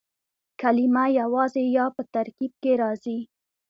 کلیمه یوازي یا په ترکیب کښي راځي.